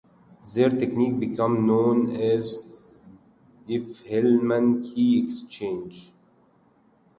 Their technique became known as Diffie-Hellman key exchange.